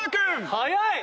早い！